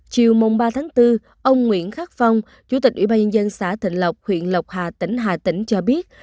chiều mùng ba tháng bốn ông nguyễn khắc phong chủ tịch ủy ban nhân dân xã thịnh lộc huyện lộc hà tỉnh hà tĩnh cho biết